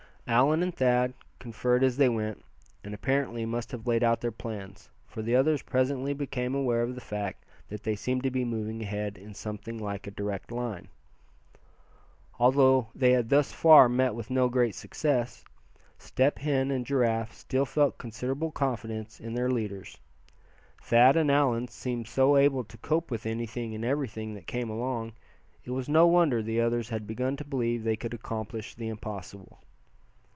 Allan and Thad conferred as they went, and apparently must have laid out their plans, for the others presently became aware of the fact that they seemed to be moving ahead in something like a direct line. Although they had thus far met with no great success, Step Hen and Giraffe still felt considerable confidence in their leaders. Thad and Allan seemed so able to cope with anything and everything that came along, it was no wonder the others had begun to believe they could accomplish the impossible.